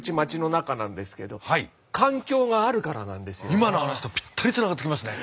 今の話とぴったりつながってきますね。